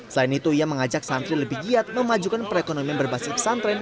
selain itu ia mengajak santri lebih giat memajukan perekonomian berbasis pesantren